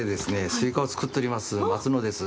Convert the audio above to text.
スイカを作っております松野です。